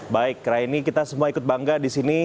baik raini kita semua ikut bangga di sini